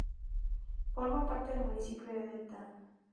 Forma parte del municipio de Delta.